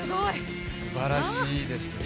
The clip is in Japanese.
すばらしいですね